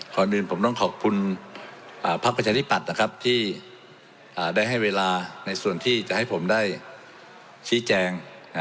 ก่อนอื่นผมต้องขอบคุณพักประชาธิปัตย์นะครับที่ได้ให้เวลาในส่วนที่จะให้ผมได้ชี้แจง